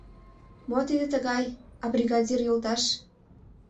— Мо тиде тыгай, а, бригадир йолташ?